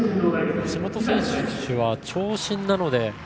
橋本選手は長身なので。